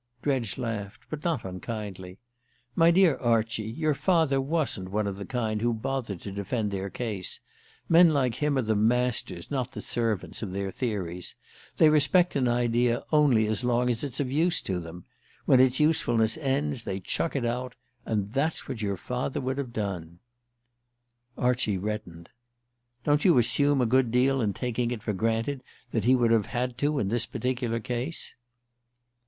Dredge laughed, but not unkindly. "My dear Archie, your father wasn't one of the kind who bother to defend their case. Men like him are the masters, not the servants, of their theories. They respect an idea only as long as it's of use to them; when it's usefulness ends they chuck it out. And that's what your father would have done." Archie reddened. "Don't you assume a good deal in taking it for granted that he would have had to in this particular case?"